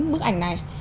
bức ảnh này